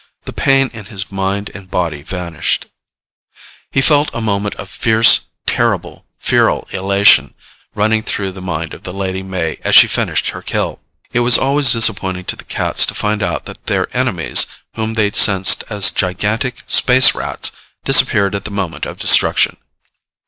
The pain in his mind and body vanished. He felt a moment of fierce, terrible, feral elation running through the mind of the Lady May as she finished her kill. It was always disappointing to the cats to find out that their enemies whom they sensed as gigantic space Rats disappeared at the moment of destruction.